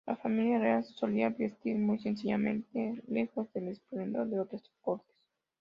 La familia real solía vestir muy sencillamente, lejos del esplendor de otras cortes.